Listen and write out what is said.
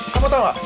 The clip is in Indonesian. kamu tau gak